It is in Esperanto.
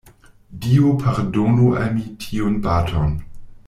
Dio pardonu al mi tiun baton!